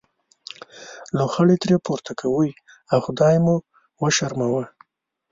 لوخړې ترې پورته کوئ او خدای مو وشرموه.